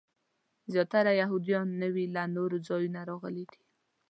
زیاتره یهودیان نوي له نورو ځایونو راغلي دي.